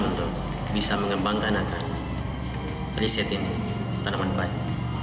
untuk bisa mengembangkan akan riset ini tanaman padi